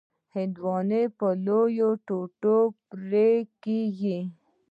هندوانه په لویو ټوټو پرې کېږي.